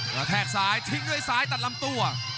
แทกซ้ายทิ้งด้วยซ้ายตัดลำตัว